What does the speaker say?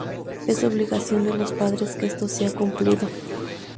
Es obligación de los padres que esto sea cumplido.